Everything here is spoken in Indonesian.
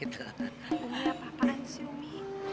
umi apa apaan sih umi